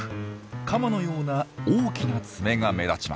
カマのような大きな爪が目立ちます。